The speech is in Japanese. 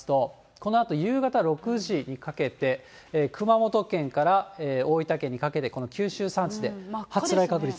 このあと夕方６時にかけて、熊本県から大分県にかけてこの九州山地で発雷確率。